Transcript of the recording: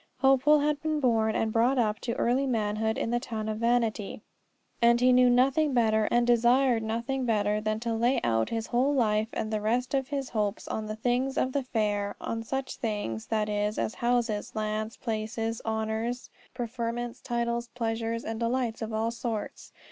Hopeful had been born and brought up to early manhood in the town of Vanity, and he knew nothing better and desired nothing better than to lay out his whole life and to rest all his hopes on the things of the fair; on such things, that is, as houses, lands, places, honours, preferments, titles, pleasures, and delights of all sorts.